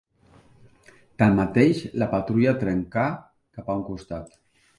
Tanmateix, la patrulla trencà cap a un costat